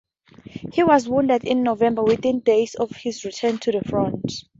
He was wounded in November, within days of his return to the front.